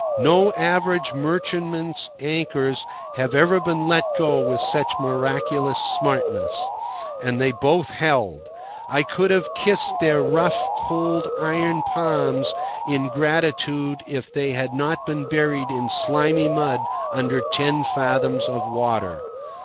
No average merchantman's anchors have ever been let go with such miraculous smartness. And they both held. I could have kissed their rough, cold iron palms in gratitude if they had not been buried in slimy mud under ten fathoms of water.